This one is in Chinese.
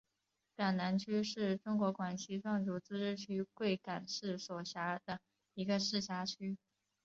港南区是中国广西壮族自治区贵港市所辖的一个市辖区。